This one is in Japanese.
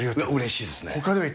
うれしいですね。